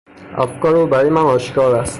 افکار او برای من آشکار است.